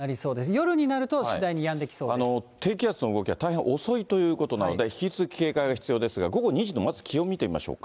夜になると、低気圧の動きが大変遅いということなので、引き続き警戒が必要ですが、午後２時のまず気温見てみましょうか。